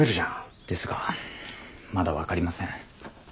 ですがまだ分かりません。